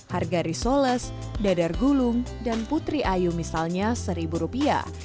harga risoles dadar gulung dan putri ayu misalnya seribu rupiah